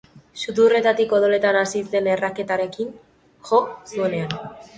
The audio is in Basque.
Sudurretatik odoletan hasi zen erraketarekin jo zuenean.